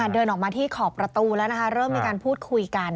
เดินออกมาที่ขอบประตูแล้วนะคะเริ่มมีการพูดคุยกัน